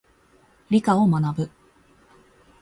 理科を学ぶ。